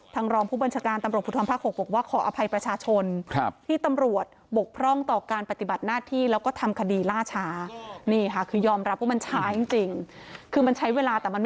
ทางรองผู้บรรชการตำรวจพุทธรรมภาค๖บอกว่าขออภัยประชาชน